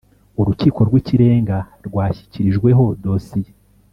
Urukiko rwikirenga rwashyikirijweho dosiye